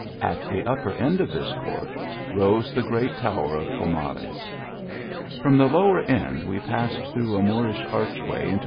At the upper end of this court, rose the great tower of Comares. From the lower end, we passed through a Moor ish arch way into